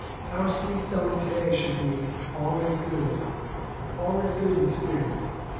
Our seed sowing today should be "All is Good." All is Good in spirit.